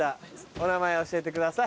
お名前教えてください。